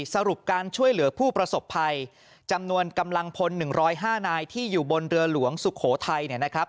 สรุปการช่วยเหลือผู้ประสบภัยจำนวนกำลังพล๑๐๕นายที่อยู่บนเรือหลวงสุโขทัยเนี่ยนะครับ